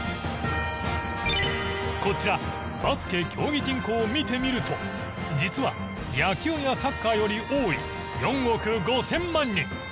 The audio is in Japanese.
こちらバスケ競技人口を見てみると実は野球やサッカーより多い４億５０００万人。